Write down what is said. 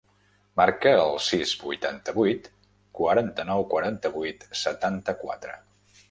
Marca el sis, vuitanta-vuit, quaranta-nou, quaranta-vuit, setanta-quatre.